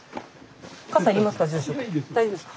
傘要りますか？